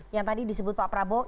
yang tadi disebut pak prabowo